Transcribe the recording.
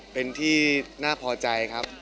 เป็นที่น่าพอใจครับ